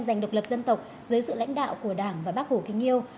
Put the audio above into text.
giành độc lập dân tộc dưới sự lãnh đạo của đảng và bác hồ kinh nhiêu